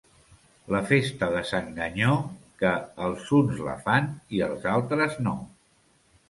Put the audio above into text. La festa de sant Ganyó, que els uns la fan i els altres no.